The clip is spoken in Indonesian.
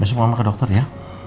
besok mama ke dokter ya